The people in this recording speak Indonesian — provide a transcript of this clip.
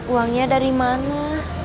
uangnya dari mana